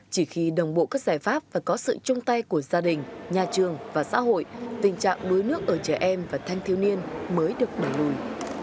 chỉ khi đồng bộ các giải pháp và có sự chung tay của gia đình nhà trường và xã hội tình trạng đuối nước ở trẻ em và thanh thiếu niên mới được đẩy lùi